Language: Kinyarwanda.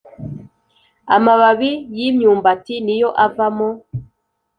amababi y’imyumbati ni yo avamo